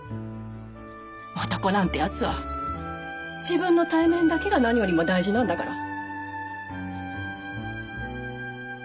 男なんてやつは自分の体面だけが何よりも大事なんだから。